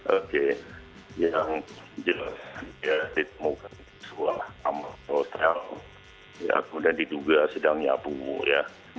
oke yang jelas ya ditemukan sebuah amal total kemudian diduga sedang nyabu ya